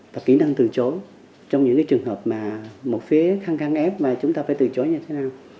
và kỹ năng từ chối trong những cái trường hợp mà một phía khăn khăn ép mà chúng ta phải từ chối như thế nào